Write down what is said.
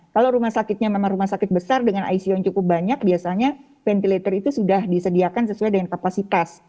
kalau rumah sakitnya memang rumah sakit besar dengan icu yang cukup banyak biasanya ventilator itu sudah disediakan sesuai dengan kapasitas